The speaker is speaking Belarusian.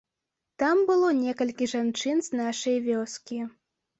Там было некалькі жанчын з нашай вёскі.